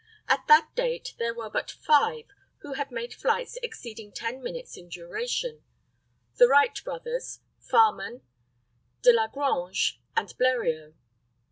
At that date there were but five who had made flights exceeding ten minutes in duration the Wright brothers, Farman, Delagrange, and Bleriot.